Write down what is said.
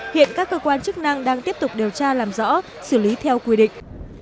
hiện các cơ quan chức năng đang tiếp tục điều tra làm rõ xử lý theo quy định